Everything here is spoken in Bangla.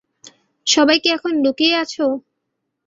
সবাই কি এখন লুকিয়ে আছো?